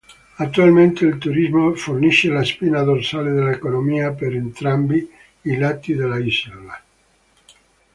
Attualmente, il turismo fornisce la spina dorsale dell'economia per entrambi i lati dell'isola.